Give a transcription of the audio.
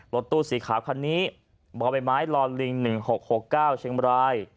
รถตู้สีขาวคันนี้บ่อใบไม้ลอลิง๑๖๖๙เชียงบราย